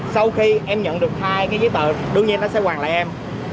sau khi em nhận được hai cái giấy tờ đương nhiên nó sẽ hoàn lại em